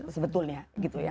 sebetulnya gitu ya